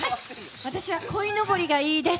私は、こいのぼりがいいです！